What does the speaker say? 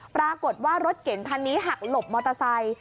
ปรากฏว่ารถเก่งคันนี้หักหลบมอเตอร์ไซค์